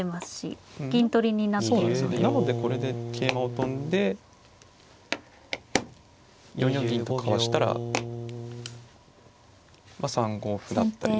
なのでこれで桂馬を跳んで４四銀とかわしたらまあ３五歩だったり。